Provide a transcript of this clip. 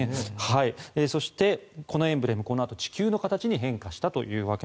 そして、このエンブレムはこのあと地球の形に変化しました。